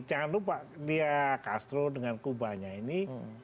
jangan lupa dia castro dengan kubanya ini